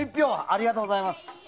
ありがとうございます。